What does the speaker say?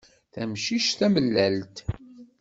Tamcict tamellalt.